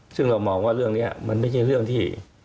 ซึ่งเรามองว่าเรื่องนี้มันไม่ใช่เรื่องที่